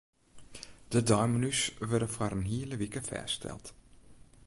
De deimenu's wurde foar in hiele wike fêststeld.